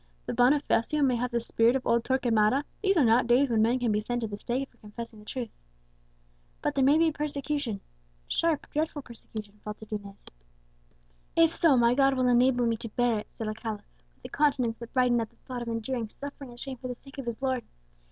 Though Bonifacio may have the spirit of old Torquemada, these are not days when men can be sent to the stake for confessing the truth." "But there may be persecution, sharp, dreadful persecution," faltered Inez. "If so, my God will enable me to bear it," said Alcala, with a countenance that brightened at the thought of enduring suffering and shame for the sake of his Lord.